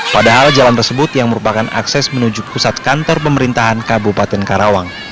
padahal jalan tersebut yang merupakan akses menuju pusat kantor pemerintahan kabupaten karawang